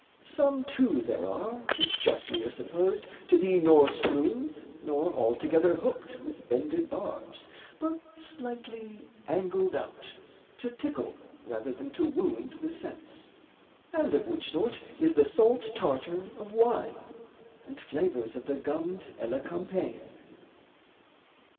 Some, too, there are which justly are supposed To be nor smooth nor altogether hooked, With bended barbs, but slightly angled out, To tickle rather than to wound the sense And of which sort is the salt tartar of wine And flavours of the gummed elecampane.